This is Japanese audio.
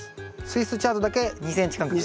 スイスチャードだけ２ｃｍ間隔で。